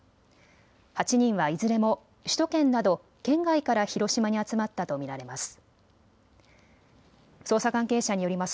８人はいずれも首都圏など県外から広島に集まったと見られます。